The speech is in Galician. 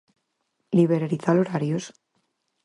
Liberalizar horarios?